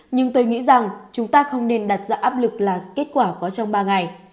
nhưng tôi nghĩ rằng chúng ta không nên đặt ra áp lực là kết quả có trong ba ngày